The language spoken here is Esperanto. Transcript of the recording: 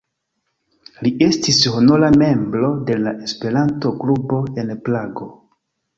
Li estis honora membro de la Esperanto-klubo en Prago.